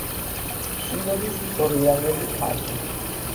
შილერის „ორლეანელი ქალი“.